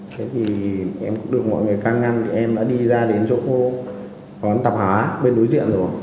thế thì em cũng được mọi người can ngăn thì em đã đi ra đến chỗ bón tạp hóa bên đối diện rồi